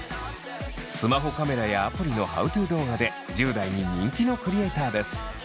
スマホカメラやアプリのＨｏｗｔｏ動画で１０代に人気のクリエイターです。